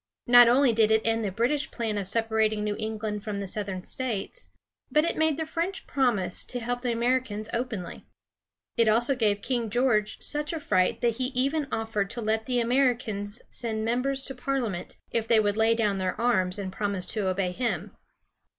Not only did it end the British plan of separating New England from the Southern States, but it made the French promise to help the Americans openly. It also gave King George such a fright that he even offered to let the Americans send members to Parliament, if they would lay down their arms and promise to obey him.